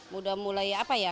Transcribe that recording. sudah mulai apa ya